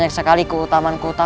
ya saya jadi sama si quarto